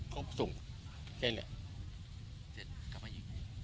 ก็ไปส่งแค่นี้